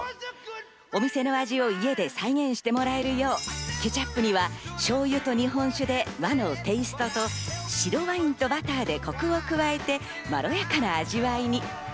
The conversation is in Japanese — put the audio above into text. お店の味を家で再現してもらえるよう、ケチャップには醤油と日本酒で和のテイストと白ワインとバターでコクを加えて、まろやかな味わいに。